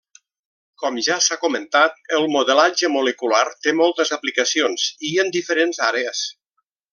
Com ja s'ha comentat, el modelatge molecular té moltes aplicacions, i en diferents àrees.